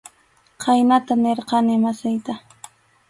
Khaynata nirqani masiyta.